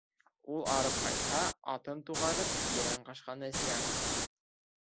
Ул арып ҡайтһа, атын туғарып, Ерән-ҡашҡаны эсерәм.